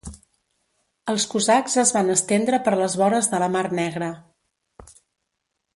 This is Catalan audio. Els cosacs es van estendre per les vores de la mar Negra.